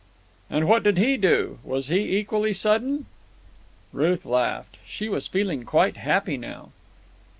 "And what did he do? Was he equally sudden?" Ruth laughed. She was feeling quite happy now.